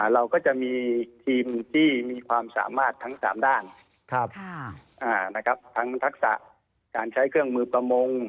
เราก็จะมีทีมที่มีความสามารถทั้ง๓ด้านทั้งทักษะการใช้เครื่องมือประมง